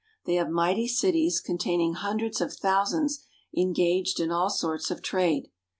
They have mighty cities con taining hundreds of thousands engaged in all sorts of trade.